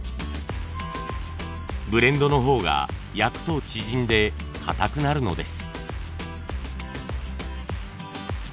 ブレンドの方が焼くと縮んでかたくなるのです。